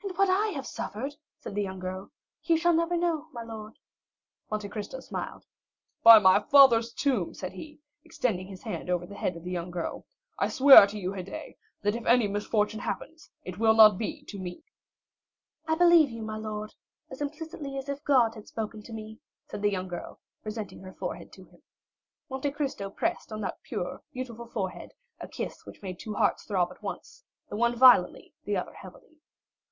"And what I have suffered," said the young girl, "you shall never know, my lord." Monte Cristo smiled. "By my father's tomb," said he, extending his hand over the head of the young girl, "I swear to you, Haydée, that if any misfortune happens, it will not be to me." "I believe you, my lord, as implicitly as if God had spoken to me," said the young girl, presenting her forehead to him. Monte Cristo pressed on that pure beautiful forehead a kiss which made two hearts throb at once, the one violently, the other secretly.